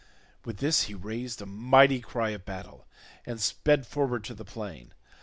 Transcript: With this he raised a mighty cry of battle, and sped forward to the plain.